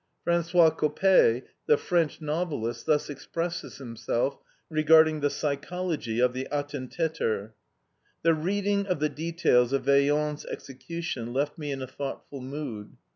Francois Coppee, the French novelist, thus expresses himself regarding the psychology of the ATTENTATER: "The reading of the details of Vaillant's execution left me in a thoughtful mood.